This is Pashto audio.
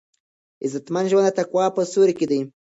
عزتمن ژوند د تقوا په سیوري کې دی.